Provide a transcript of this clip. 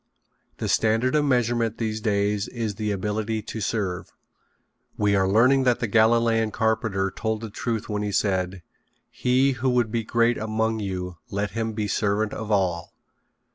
The standard of measurement these days is the ability to serve. We are learning that the Galilean carpenter told the truth when he said: "He who would be great among you let him be servant of all."